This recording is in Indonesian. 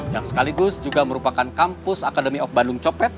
yang sekaligus juga merupakan kampus akademi of bandung copet